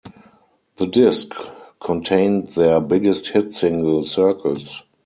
The disc contained their biggest hit single, "Circles".